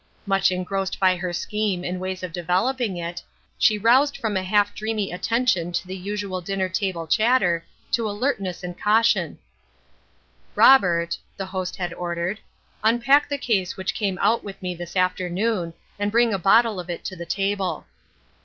Much engrossed by her scheme and ways of developing it, she roused from a half dreamy THE OLD QUESTION. IO9 attention to the usual dinner table chatter, to alert ness and caution. " Robert," the host had ordered, " unpack the case which came out with me this afternoon, and bring a bottle of it to the table."